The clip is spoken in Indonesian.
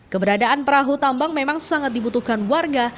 keberadaan perahu tambang memang sangat dibutuhkan warga